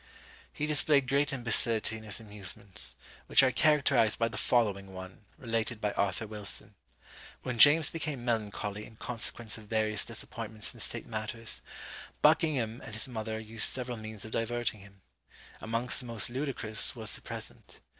'" He displayed great imbecility in his amusements, which are characterised by the following one, related by Arthur Wilson: When James became melancholy in consequence of various disappointments in state matters, Buckingham and his mother used several means of diverting him. Amongst the most ludicrous was the present.